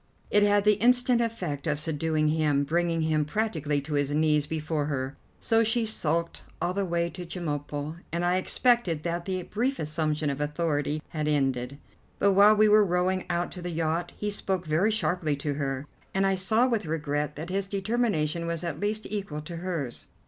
It had the instant effect of subduing him, bringing him practically to his knees before her. So she sulked all the way to Chemulpo, and I expected that the brief assumption of authority had ended; but while we were rowing out to the yacht he spoke very sharply to her, and I saw with regret that his determination was at least equal to hers.